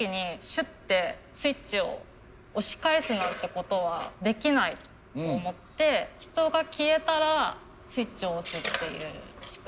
シュッてスイッチを押し返すなんてことはできないと思って人が消えたらスイッチを押すっていう仕組みにしました。